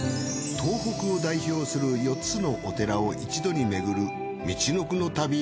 東北を代表する４つのお寺を一度に巡るみちのくの旅。